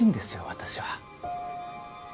私は。